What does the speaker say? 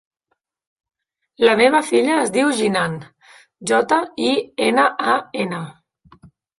La meva filla es diu Jinan: jota, i, ena, a, ena.